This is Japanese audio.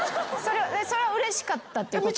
それはうれしかったってこと？